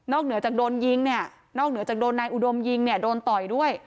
เหนือจากโดนยิงเนี่ยนอกเหนือจากโดนนายอุดมยิงเนี่ยโดนต่อยด้วย